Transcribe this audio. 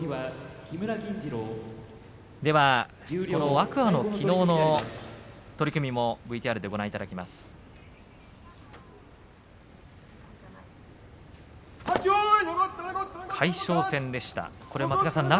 天空海のきのうの取組をＶＴＲでご覧いただきます。